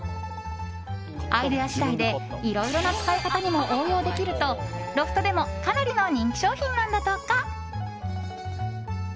アイデア次第で、いろいろな使い方にも応用できるとロフトでもかなりの人気商品なんだとか。